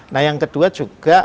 nah yang kedua juga